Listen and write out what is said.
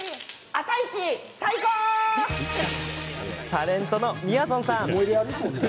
タレントの、みやぞんさん。